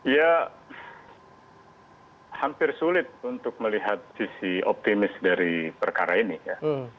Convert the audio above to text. ya hampir sulit untuk melihat sisi optimis dari perkara ini ya